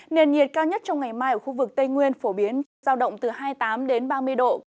nền nhiệt cao nhất trong ngày mai ở khu vực tây nguyên phổ biến giao động từ hai mươi tám ba mươi độ